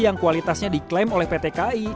yang kualitasnya diklaim oleh pt kai